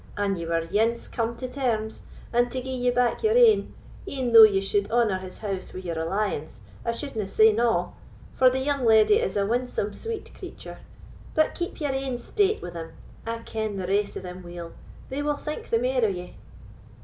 An he were ance come to terms, and to gie ye back your ain, e'en though ye suld honour his house wi' your alliance, I suldna say na; for the young leddy is a winsome sweet creature. But keep your ain state wi' them—I ken the race o' them weel—they will think the mair o' ye."